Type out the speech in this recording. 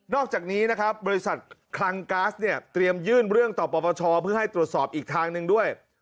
อกจากนี้นะครับบริษัทคลังก๊าซเนี่ยเตรียมยื่นเรื่องต่อปปชเพื่อให้ตรวจสอบอีกทางหนึ่งด้วย